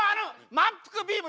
まんぷくビーム！